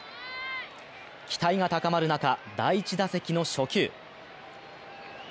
期待が高まる中、第１打席の初球。